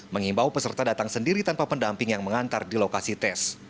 mengimbau peserta datang sendiri tanpa pendamping yang mengantar di lokasi tes